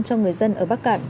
cho người dân ở bắc cạn